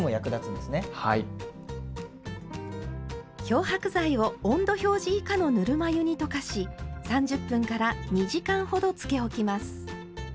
漂白剤を温度表示以下のぬるま湯に溶かし３０分２時間ほどつけ置きます。